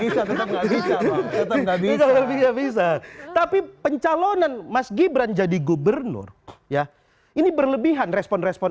bisa tetap nggak bisa tapi pencalonan mas gibran jadi gubernur ya ini berlebihan respon respon